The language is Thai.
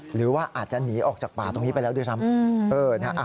หรือว่าอาจจะหนีออกจากป่าตรงนี้ไปแล้วด้วยซ้ำ